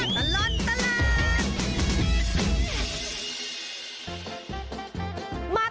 ชั่วตลอดตลาด